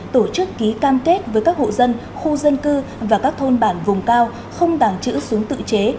tổ chức ký cam kết với các hộ dân khu dân cư và các thôn bản vùng cao không tàng trữ súng tự chế